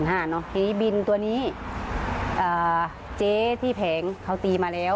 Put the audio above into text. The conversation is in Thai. แก่ว่านี้ปะจ๊ะที่แผงเค้าตีฝั่งมาแล้ว